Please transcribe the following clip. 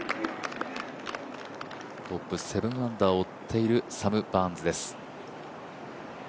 トップ７アンダーを追っているサム・バーンズです。